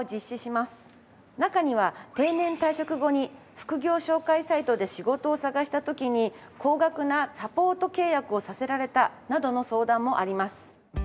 中には定年退職後に副業紹介サイトで仕事を探した時に高額なサポート契約をさせられたなどの相談もあります。